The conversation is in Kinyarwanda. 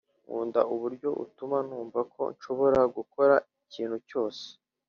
nkunda uburyo utuma numva ko nshobora gukora ikintu cyose